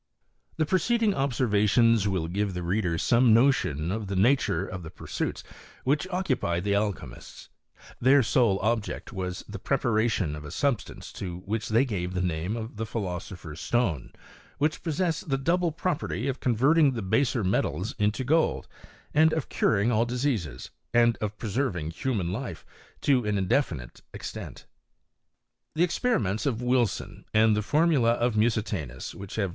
* The preceding obseiTations will give the reader some notion of the nature of the pursuits which occupied the alchymists : their sole object was the preparation of la substance to which they gave the name of the philoso pher's stone, which possessed the double property oj converting the baser metals into gold, and of curing al^ diseases, and of preserving human life to an indefinite extent. The experiments of Wilson, and the formulj of Musitanus, which have